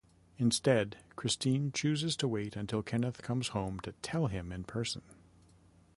Instead, Christine chooses to wait until Kenneth comes home to tell him in person.